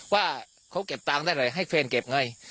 ว่าเขาเก็บตังค์ได้หน่อยให้แฟนเก็บไง